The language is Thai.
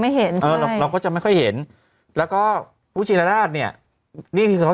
ไม่เห็นใช่เออเราก็จะไม่ค่อยเห็นแล้วก็อุชินราชเนี่ยนี่ที่เขา